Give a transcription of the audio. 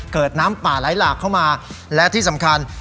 เกิดน้ำป่าไหลหลากเข้ามาและที่สำคัญ